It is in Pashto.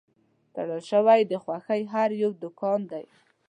تړل شوی د خوښۍ هر یو دوکان دی